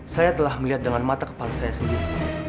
saya telah melihat dengan mata kepala saya sendiri